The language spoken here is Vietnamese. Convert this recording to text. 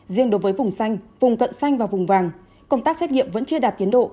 riêng đối với vùng xanh vùng cận xanh và vùng vàng công tác xét nghiệm vẫn chưa đạt tiến độ